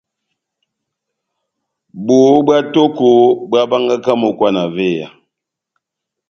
Bohó bwá tóko bohábángaka mókwa na véya.